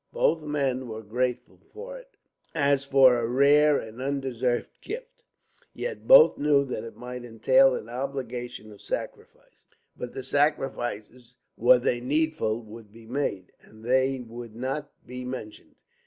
Both men were grateful for it, as for a rare and undeserved gift; yet both knew that it might entail an obligation of sacrifice. But the sacrifices, were they needful, would be made, and they would not be mentioned.